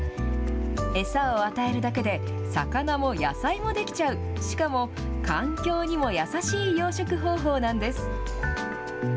餌を与えるだけで、魚も野菜も出来ちゃう、しかも、環境にも優しい養殖方法なんです。